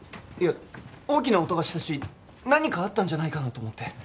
いや大きな音がしたし何かあったんじゃないかなと思って。